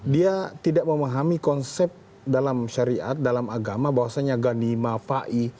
dia tidak memahami konsep dalam syariat dalam agama bahwasanya ghanima fa'i